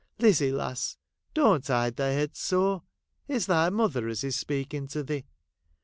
Lizzie, lass, don't hide thy head so, it 's thy mother as is speaking to thee.